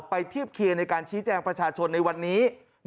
เทียบเคียงในการชี้แจงประชาชนในวันนี้